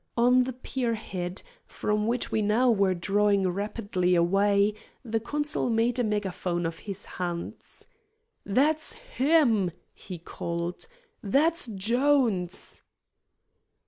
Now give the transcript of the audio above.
On the pier head, from which we now were drawing rapidly away, the consul made a megaphone of his hands. "That's HIM," he called. "That's Jones."